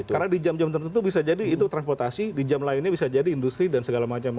karena di jam jam tertentu bisa jadi transportasi di jam lainnya bisa jadi industri dan segala macam